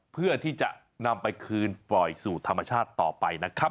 เพื่อที่จะนำไปคืนปล่อยสู่ธรรมชาติต่อไปนะครับ